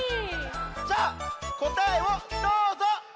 じゃあこたえをどうぞ！